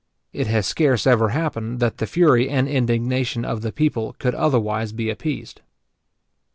It has scarce ever happened, that the fury and indignation of the people could otherwise be appeased.